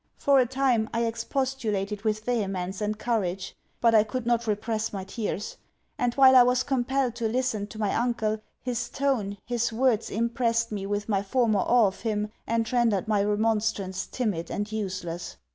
For a time, I expostulated with vehemence and courage; but I could not repress my tears and, while I was compelled to listen to my uncle, his tone, his words impressed me with my former awe of him and rendered my remonstrance timid and useless.